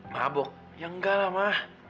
mabuk ya enggak lah ma